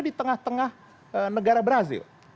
di tengah tengah negara brazil